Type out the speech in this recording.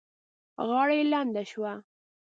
غاړه يې لنده شوه.